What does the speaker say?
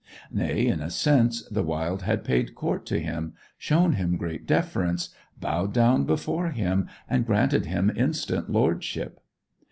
Nay, in a sense, the wild had paid court to him, shown him great deference, bowed down before him, and granted him instant lordship.